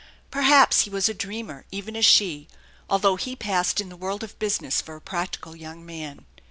Perhaps he was a dreamer, even as she, although he passed in the world of business for a practical young man.